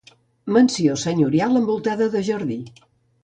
Mansió senyorial envoltada de jardí.